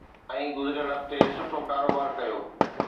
۽ گذريل هفتي سٺو ڪاروبار ڪيو